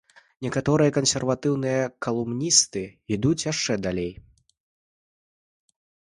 Некаторыя кансерватыўныя калумністы ідуць яшчэ далей.